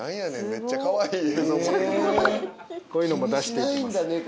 こういうのも出して行きます。